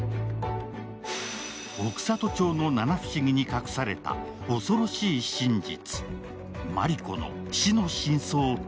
奥郷町の七不思議に隠された恐ろしい真実。